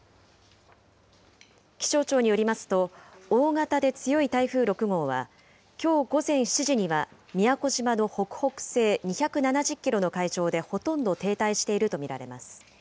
気象庁によりますと、大型で強い台風６号は、きょう午前７時には、宮古島の北北西２７０キロの海上でほとんど停滞していると見られます。